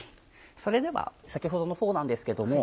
それでは先ほどのフォーなんですけども。